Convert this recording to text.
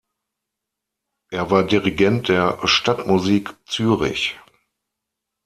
Er war Dirigent der "Stadtmusik" Zürich.